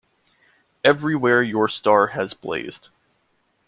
Everywhere your star has blazed.